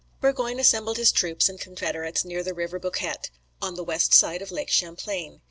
Burgoyne assembled his troops and confederates near the river Bouquet, on the west side of Lake Champlain.